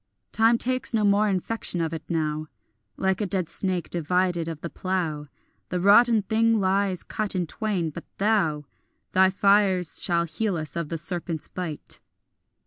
Time takes no more infection of it now; Like a dead snake divided of the plough, The rotten thing lies cut in twain; but thou, Thy fires shall heal us of the serpent's bite.